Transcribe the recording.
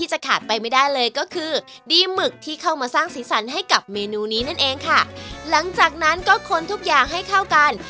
สีสันให้กับเมนูนี้นั่นเองค่ะหลังจากนั้นก็คนทุกอย่างให้เข้ากัน